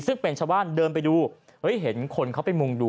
ซึ่งเป็นชาวบ้านเดินไปดูเฮ้ยเห็นคนเขาไปมุงดู